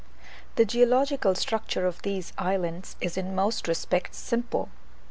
The geological structure of these islands is in most respects simple.